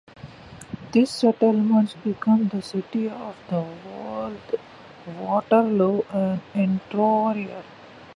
This settlement became the city of Waterloo, Ontario.